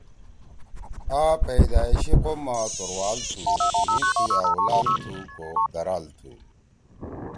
آ پیدائشی قوم ما توروال تُھو، مھی تُھو أ اُلال تُھو کو درال تُھو